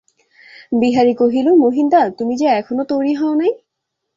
বিহারী কহিল, মহিনদা, তুমি যে এখনো তৈরি হও নাই?